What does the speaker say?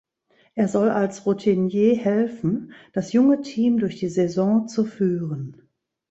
Er soll als Routinier helfen, das junge Team durch die Saison zu führen.